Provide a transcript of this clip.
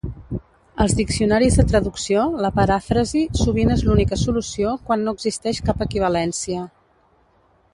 Als diccionaris de traducció, la paràfrasi sovint és l'única solució quan no existeix cap equivalència.